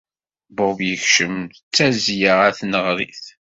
Bob yekcem d tazzla ɣer tneɣrit.